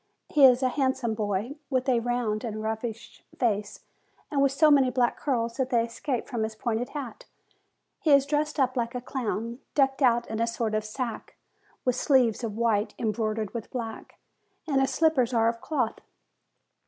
He is a handsome boy, with a round and roguish face, and with so many black curls that they escape from his pointed cap. He is dressed up like a clown, decked out in a sort of sack, with sleeves of white, embroidered with black, and his slippers are of cloth.